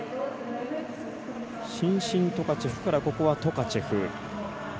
伸身トカチェフからトカチェフ。